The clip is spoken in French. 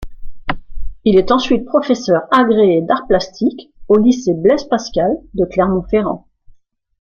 Il est ensuite professeur agrégé d'arts plastiques au lycée Blaise-Pascal de Clermont-Ferrand.